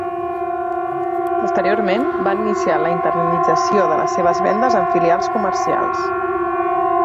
Posteriorment, van iniciar la internacionalització de les seves vendes amb filials comercials.